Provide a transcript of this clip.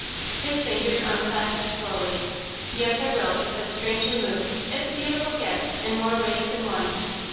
His fingers unclasped slowly. "Yes, I will," he said, strangely moved. "It's a beautiful gift in more ways than one.